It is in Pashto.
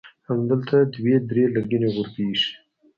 همدلته دوه درې لرګینې غرفې ایښي.